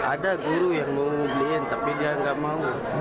ada guru yang mau beliin tapi dia nggak mau